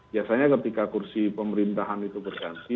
biasanya ketika kursi pemerintahan itu berganti